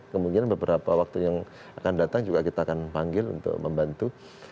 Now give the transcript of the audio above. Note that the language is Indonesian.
kemungkinan beberapa waktu yang akan datang juga kita akan panggil untuk membantu